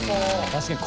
確かに。